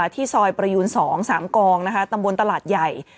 ที่ซอยประยูน๒๓กองตำบลตลาดใหญ่